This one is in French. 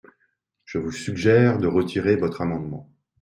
Je vous suggère de retirer votre amendement.